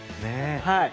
はい。